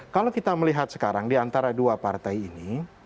kalau kita melihat sekarang di antara dua partai ini